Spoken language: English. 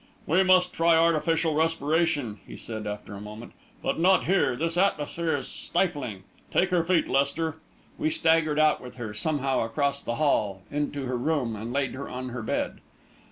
"We must try artificial respiration," he said, after a moment. "But not here this atmosphere is stifling. Take her feet, Lester." We staggered out with her, somehow, across the hall, into her room, and laid her on her bed.